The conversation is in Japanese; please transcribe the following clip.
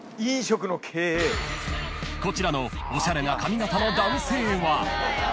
［こちらのおしゃれな髪形の男性は？］